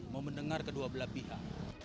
mau mendengar kedua belah pihak